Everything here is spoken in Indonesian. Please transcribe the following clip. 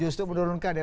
justru menurunkan ya